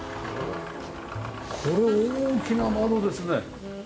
これ大きな窓ですね。